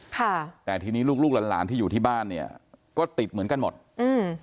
ค่ะแต่ทีนี้ลูกลูกหลานหลานที่อยู่ที่บ้านเนี้ยก็ติดเหมือนกันหมดอืม